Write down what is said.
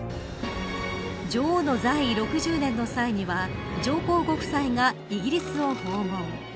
女王の在位６０年の際には上皇ご夫妻がイギリスを訪問。